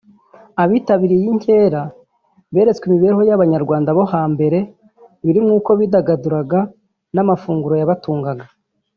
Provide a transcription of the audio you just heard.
Abitabiriye iyi nkera beretswe imibereho y’Abanyarwanda bo hambere birimo uko bidagaduraga n’amafunguro yabatungaga